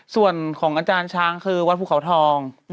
ส่วนของอาจารย์ช้างคือวัดภูเขาทอง